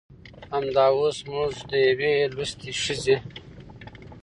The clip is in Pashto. همدا اوس موږ د يوې لوستې ښځې